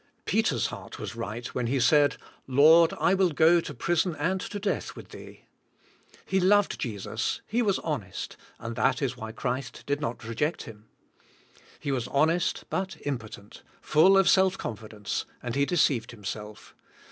Peter's heart was right when he said, '^Lord, I will go to prison and to death with Thee." He loved Jesus, he was honest, and that is why Christ did not reject him. He was honest but impotent, full of self confidence and he deceived himself.